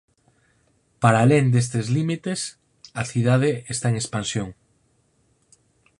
Para alén destes límites a cidade está en expansión.